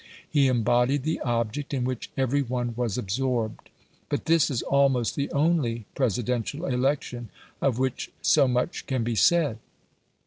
He embodied the object in which every one was absorbed. But this is almost the only Presidential election of which so much can be said.